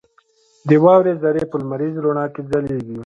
• د واورې ذرې په لمریز رڼا کې ځلېږي.